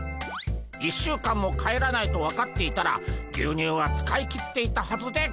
１週間も帰らないと分かっていたら牛乳は使い切っていったはずでゴンス。